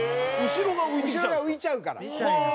後ろが浮いちゃうから。